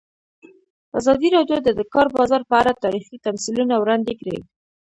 ازادي راډیو د د کار بازار په اړه تاریخي تمثیلونه وړاندې کړي.